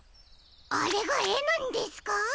あれがえなんですか！？